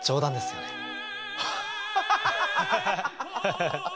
ハハハハハ！